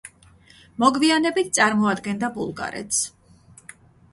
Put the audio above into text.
მოგვიანებით წარმოადგენდა ბულგარეთს.